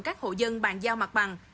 các hộ dân bàn giao mặt bằng